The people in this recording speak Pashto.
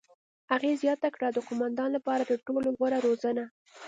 هغې زیاته کړه: "د قوماندان لپاره تر ټولو غوره روزنه.